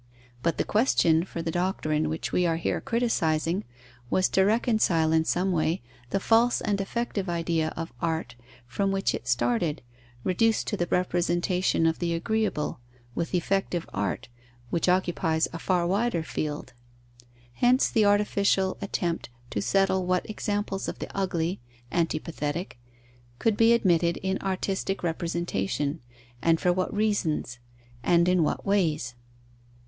But the question for the doctrine which we are here criticizing was to reconcile in some way the false and defective idea of art from which it started, reduced to the representation of the agreeable, with effective art, which occupies a far wider field. Hence the artificial attempt to settle what examples of the ugly (antipathetic) could be admitted in artistic representation, and for what reasons, and in what ways.